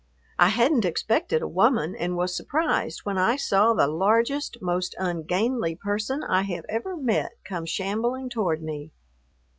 I hadn't expected a woman, and was surprised when I saw the largest, most ungainly person I have ever met come shambling toward me.